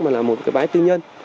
mà là một cái bãi tư nhân